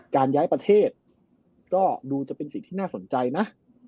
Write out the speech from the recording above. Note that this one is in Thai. การย้ายประเทศก็ดูจะเป็นสิ่งที่น่าสนใจนะ